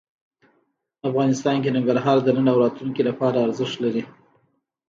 افغانستان کې ننګرهار د نن او راتلونکي لپاره ارزښت لري.